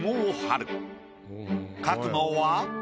描くのは。